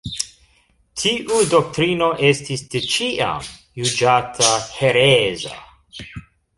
Tiu doktrino estis de ĉiam juĝata hereza.